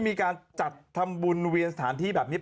มีเสียงในทางเนี่ย